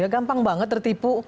gampang banget tertipu